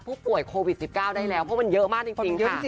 โควิด๑๙ได้แล้วเพราะมันเยอะมากจริง